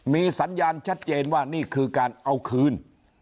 มีสัญญาณชัดเจนว่านี่คือการเอาคืน